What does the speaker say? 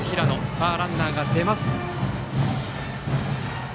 さあ、ランナーが出ます。